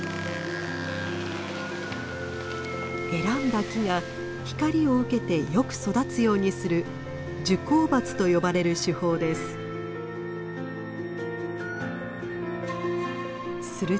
選んだ木が光を受けてよく育つようにする「受光伐」と呼ばれる手法です。